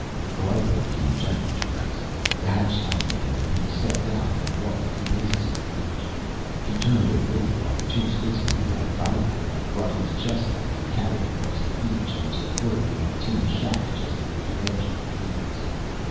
The lifeboat came gently to rest. The hatch swung open and he stepped out and walked a few paces up the beach. He turned and waited while the two spacemen who had guided the craft brought his chest out and carried it across the beach and to the corrugated tin shack just at the edge of the trees.